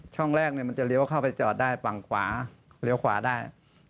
ช่องแรกมันจะเลี้ยวเข้าไปจอดได้ฝั่งขวาเลี้ยวขวาได้